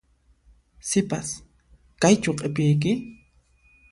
Sipas, kaychu q'ipiyki?